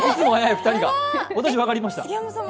私、分かりました。